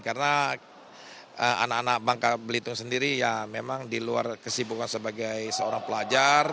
karena anak anak bangka belitung sendiri ya memang di luar kesibukan sebagai seorang pelajar